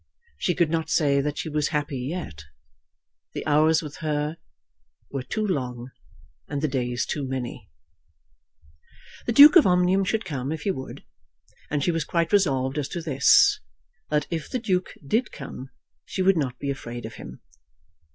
She could not say that she was happy yet. The hours with her were too long and the days too many. The Duke of Omnium should come, if he would. And she was quite resolved as to this, that if the Duke did come she would not be afraid of him.